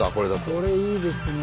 これいいですね。